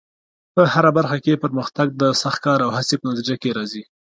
په هره برخه کې پرمختګ د سختې کار او هڅې په نتیجه کې راځي.